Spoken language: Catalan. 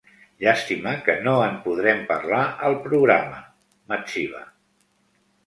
“Llàstima que no en podrem parlar al programa”, m'etziba.